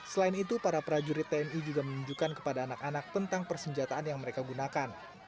selain itu para prajurit tni juga menunjukkan kepada anak anak tentang persenjataan yang mereka gunakan